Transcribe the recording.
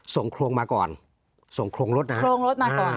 ส่งโครงมาก่อนส่งโครงรถนะฮะโครงรถมาก่อน